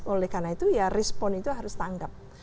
oleh karena itu ya respon itu harus tanggap